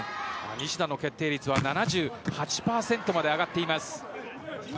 西田の決定率は７８％まで上がっています。